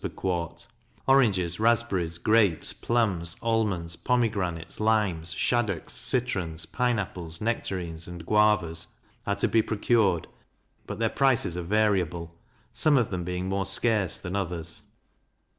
per quart; oranges, raspberries, grapes, plums, almonds, pomegranates, limes, shaddocks, citrons, pine apples, nectarines, and guavas, are to be procured; but their prices are variable, some of them being more scarce than others.